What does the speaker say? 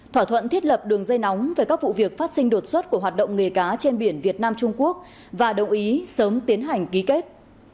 thỏa thuận thiết lập đường dây nóng về các vụ việc phát sinh đột xuất của hoạt động nghề cá trên biển việt nam trung quốc và đồng ý sớm tiến hành ký kết